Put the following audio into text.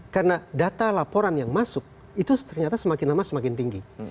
karena data laporan yang masuk itu ternyata semakin lama semakin tinggi